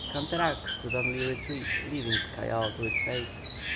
Canterac could only retreat, leaving Callao to its fate.